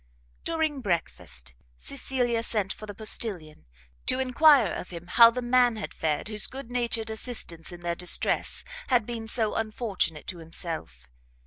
During breakfast, Cecilia sent for the postilion, to enquire of him how the man had fared, whose good natured assistance in their distress had been so unfortunate to himself.